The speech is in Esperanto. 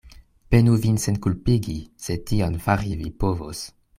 Penu vin senkulpigi, se tion fari vi povos.